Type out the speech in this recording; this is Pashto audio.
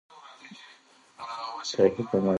بامیان د افغانستان د اقلیمي نظام ښکارندوی ده.